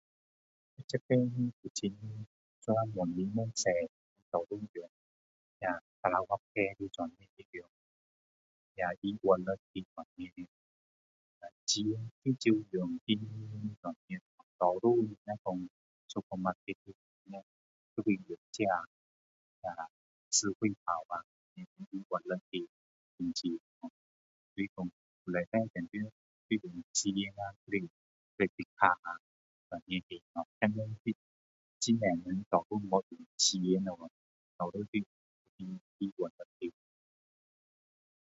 這邊古晉現在越來越多多數用那sarawak pay這樣的Ewallet那樣的膽錢很少用現錢多數若說supermarket的話都是用這智慧寶啊Ewallet的還錢所以說以前當然要用錢啊還是credit 卡啊這樣的東西現在是很多人多數都沒有用錢了啊多數都是用Ewallet